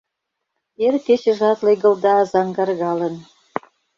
Эр кечыжат легылда зӓҥгӓргӓлын